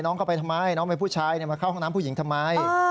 เข้าไปทำไมน้องเป็นผู้ชายมาเข้าห้องน้ำผู้หญิงทำไม